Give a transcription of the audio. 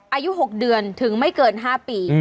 อายุ๖เดือนถึงไม่เกิน๕ปี